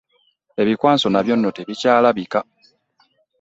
Ebikwanso nabyo nno tebikyalabika!